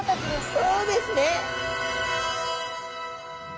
そうですね。